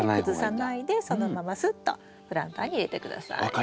崩さないでそのまますっとプランターに入れて下さい。